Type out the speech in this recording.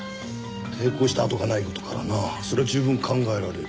抵抗した痕がない事からなそれは十分考えられる。